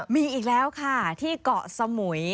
มีอีกแล้วค่ะที่เกาะสมุย